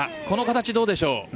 この形、どうでしょう。